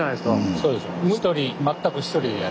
そうですよ。